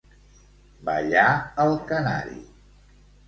Ballar el canari.